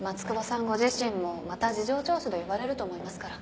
ご自身もまた事情聴取で呼ばれると思いますから。